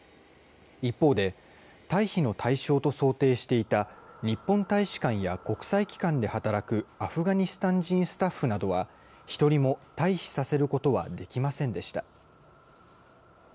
一方で、退避の対象と想定していた、日本大使館や国際機関で働くアフガニスタン人スタッフなどは、１人も退避させることはできませんでした。